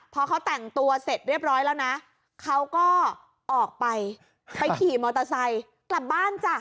พอเขาแต่งตัวเสร็จเรียบร้อยแล้วนะเขาก็ออกไปไปขี่มอเตอร์ไซค์กลับบ้านจ้ะ